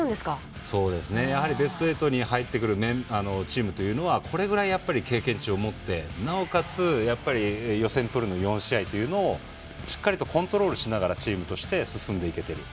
やはりベスト８に入ってくるチームっていうのはこれぐらい経験値を持ってなおかつ、予選プールの４試合というのをしっかりとコントロールしながらチームとして進んでいけてる。